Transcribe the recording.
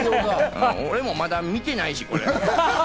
俺もまだ見てないし、これ。